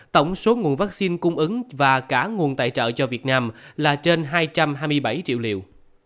tổng số nguồn vaccine cung ứng và cả nguồn tài trợ cho việt nam là trên hai trăm hai mươi bảy triệu liều